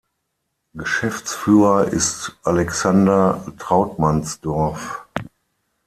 Geschäftsführer ist Alexander Trauttmansdorff.